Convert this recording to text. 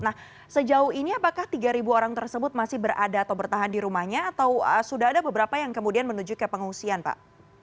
nah sejauh ini apakah tiga orang tersebut masih berada atau bertahan di rumahnya atau sudah ada beberapa yang kemudian menuju ke pengungsian pak